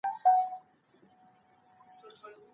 د لویې جرګي ځای ولي معمولا په کابل کي وي؟